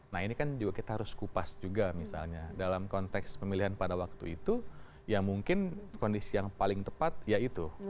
nah ini kan juga kita harus kupas juga misalnya dalam konteks pemilihan pada waktu itu ya mungkin kondisi yang paling tepat ya itu